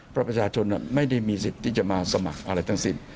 เพราะประชาชนไม่ได้มีสิทธิ์ที่จะมาสมัครอะไรทั้งสิ้น